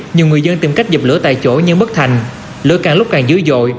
nhiều người dân tìm cách dập lửa tại chỗ nhưng bất thành lửa càng lúc càng dữ dội